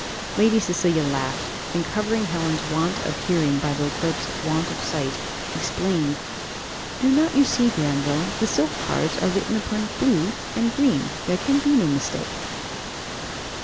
Lady Cecilia laughed, and covering Helen's want of hearing by Beauclerc's want of sight, explained "Do not you see, Granville, the silk cards are written upon, 'blue' and 'green;' there can be no mistake."